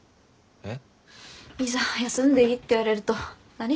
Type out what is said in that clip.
えっ？